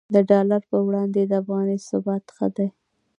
د ډالر پر وړاندې د افغانۍ ثبات ښه دی